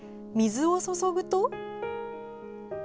水を注ぐと。